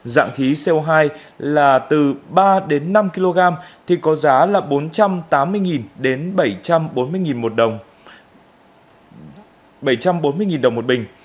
dạng khí co hai là từ ba đến năm kg thì có giá là bốn trăm tám mươi nghìn đến bảy trăm bốn mươi nghìn một đồng